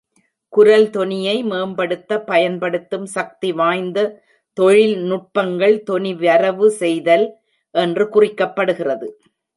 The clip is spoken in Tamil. குரல் தொனியை மேம்படுத்த பயன்படுத்தும் சக்தி வாய்ந்த தொழில்நுட்பங்கள், தொனி வரைவு செய்தல் என்று குறிக்கப்படுகிறது.